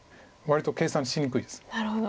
割と計算しにくいです。